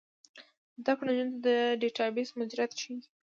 زده کړه نجونو ته د ډیټابیس مدیریت ښيي.